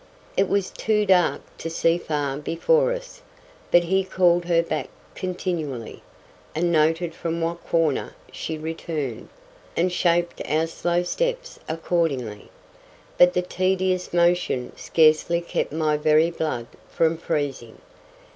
It was too dark to see far before us; but he called her back continually, and noted from what quarter she returned, and shaped our slow steps accordingly. But the tedious motion scarcely kept my very blood from freezing.